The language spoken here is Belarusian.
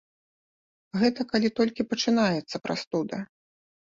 Гэта калі толькі пачынаецца прастуда.